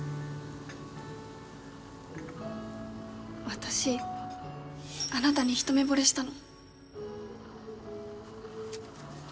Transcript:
私あなたに一目ぼれしたの